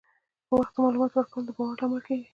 په وخت د معلوماتو ورکول د باور لامل کېږي.